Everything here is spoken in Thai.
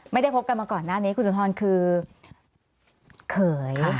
ไม่ได้พบกันมาก่อนหน้านี้คุณสุนทรคือเขย